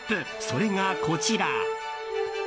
それが、こちら。